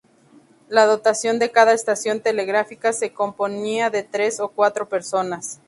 La dotación de cada estación telegráfica se componía de tres o cuatro personas.